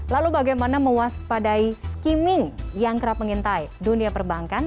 lalu bagaimana mewaspadai skimming yang kerap mengintai dunia perbankan